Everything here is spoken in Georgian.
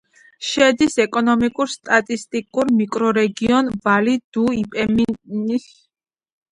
შედის ეკონომიკურ-სტატისტიკურ მიკრორეგიონ ვალი-დუ-იპანემის შემადგენლობაში.